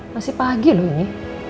masih pagi loh ini